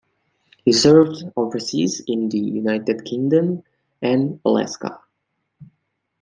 He served overseas in the United Kingdom and Alaska.